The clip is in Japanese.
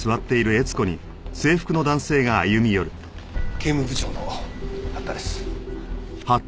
警務部長の八田です。